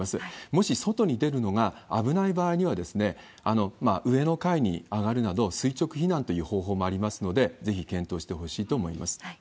もし外に出るのが危ない場合には、上の階に上がるなど、垂直避難という方法もありますので、ぜひ検討してほしいと思います。